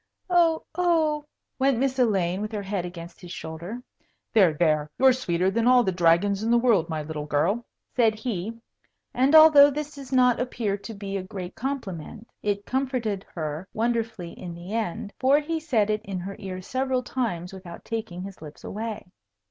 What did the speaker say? "Oh, oh!" went Miss Elaine, with her head against his shoulder. "There, there! You're sweeter than all the dragons in the world, my little girl," said he. And although this does not appear to be a great compliment, it comforted her wonderfully in the end; for he said it in her ear several times without taking his lips away.